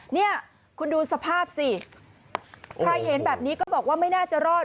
เนี่ยคุณดูสภาพสิใครเห็นแบบนี้ก็บอกว่าไม่น่าจะรอด